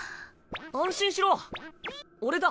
安心しろ俺だ。